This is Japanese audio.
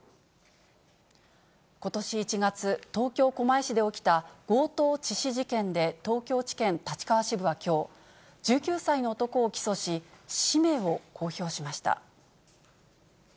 ことし１月、東京・狛江市で起きた、強盗致死事件で東京地検立川支部はきょう、１９歳の男を起訴し、氏名を公表しました。